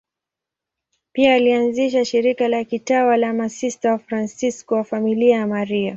Pia alianzisha shirika la kitawa la Masista Wafransisko wa Familia ya Maria.